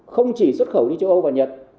không chỉ xuất khẩu đi châu âu và nhật